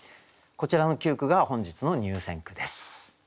こちらの９句が本日の入選句です。